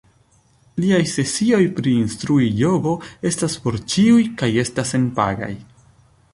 Liaj sesioj pri instrui jogo estas por ĉiuj kaj estas senpagaj.